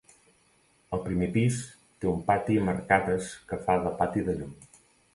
El primer pis té un pati amb arcades que fa de pati de llum.